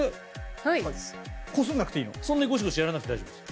そんなにゴシゴシやらなくて大丈夫です。